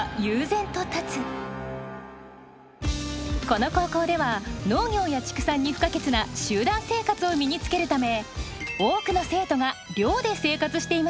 この高校では農業や畜産に不可欠な集団生活を身につけるため多くの生徒が寮で生活しています。